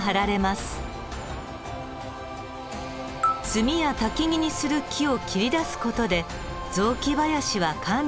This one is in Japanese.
炭やたきぎにする木を切り出す事で雑木林は管理されます。